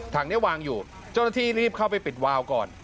ถังนี้วางอยู่เจ้าหน้าที่รีบเข้าไปปิดวาวก่อน